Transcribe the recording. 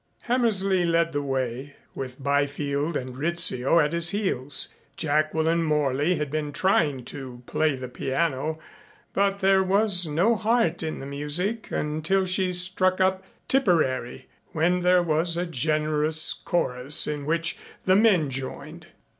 Hammersley led the way, with Byfield and Rizzio at his heels. Jacqueline Morley had been trying to play the piano, but there was no heart in the music until she struck up "Tipperary," when there was a generous chorus in which the men joined.